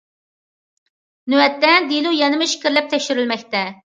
نۆۋەتتە، دېلو يەنىمۇ ئىچكىرىلەپ تەكشۈرۈلمەكتە.